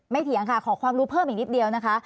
เถียงค่ะขอความรู้เพิ่มอีกนิดเดียวนะคะ